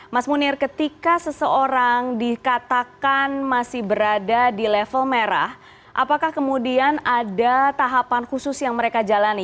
mas munir ketika seseorang dikatakan masih berada di level merah apakah kemudian ada tahapan khusus yang mereka jalani